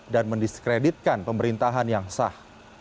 dan mendiskreditkan pemerintahan yang sah